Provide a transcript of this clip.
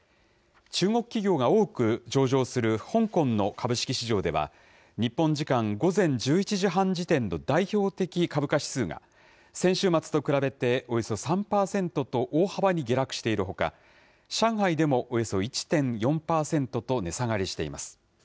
中国企業が多く上場する香港の株式市場では、日本時間午前１１時半時点の代表的株価指数が、先週末と比べておよそ３％と大幅に下落しているほか、上海でもおよそ１．４％と値下がりしています。